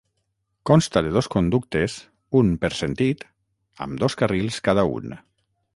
Consta de dos conductes, un per sentit, amb dos carrils cada un.